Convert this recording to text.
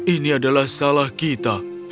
ini adalah salah kita